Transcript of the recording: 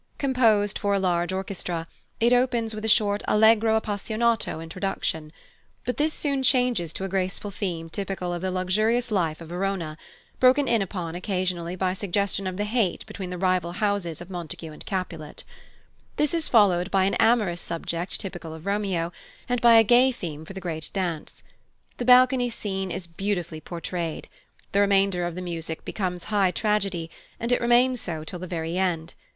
Composed for a large orchestra, it opens with a short allegro appassionato introduction; but this soon changes to a graceful theme typical of the luxurious life of Verona, broken in upon occasionally by suggestion of the hate between the rival houses of Montague and Capulet. This is followed by an amorous subject typical of Romeo, and by a gay theme for the great dance. The Balcony scene is beautifully portrayed. The remainder of the music becomes high tragedy, and it remains so till the very end.